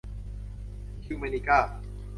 ฮิวแมนิก้า